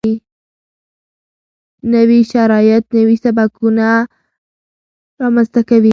نوي شرایط نوي سبکونه رامنځته کوي.